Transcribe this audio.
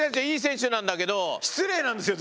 いい選手なんだけど。